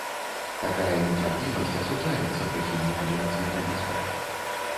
Такая нецярпімасць асуджаецца прыхільнікамі нацыяналізму.